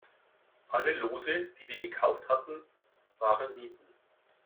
Alle Lose, die wir gekauft hatten, waren Nieten.